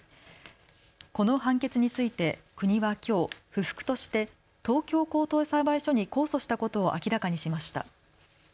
この判決について国はきょう不服として東京高等裁判所に控訴したことを明らかにしました。